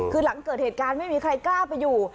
คือหลังเกิดเหตุการณ์ไม่มีใครกล้าไปอยู่